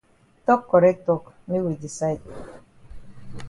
Tok correct tok make we decide.